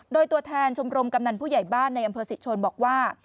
โดยตัวแทนชมรมกำนันผู้ใหญ่บ้านในอำเภอศรีชนบอกว่า